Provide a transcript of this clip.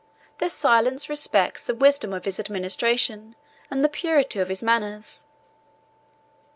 Their silence respects the wisdom of his administration and the purity of his manners.